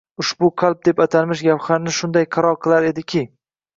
ushbu – qalb deb atalmish gavharni shunday qaro qilar edi-ki